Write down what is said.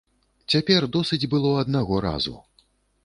Цяпер досыць было аднаго разу.